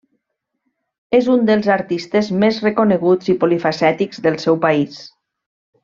És un dels artistes més reconeguts i polifacètics del seu país.